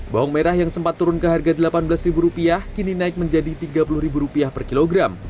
bawang merah yang sempat turun ke harga delapan belas ribu rupiah kini naik menjadi tiga puluh ribu rupiah per kilogram